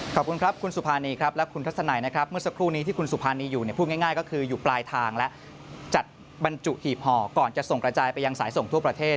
ขอบคุณครับคุณสุภานีครับและคุณทัศนัยนะครับเมื่อสักครู่นี้ที่คุณสุภานีอยู่เนี่ยพูดง่ายก็คืออยู่ปลายทางและจัดบรรจุหีบห่อก่อนจะส่งกระจายไปยังสายส่งทั่วประเทศ